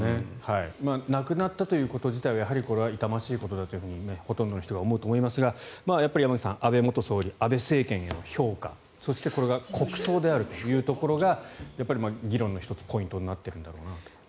亡くなったということ自体はやはりこれは痛ましいことだというふうにほとんどの人が思うと思いますが安倍元総理安倍政権への評価そしてこれが国葬であるというところが議論の１つ、ポイントになっているんだろうなと。